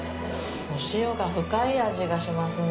お塩が深い味がしますね。